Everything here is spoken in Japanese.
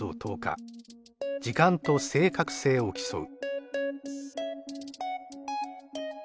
時間と正確性を競う。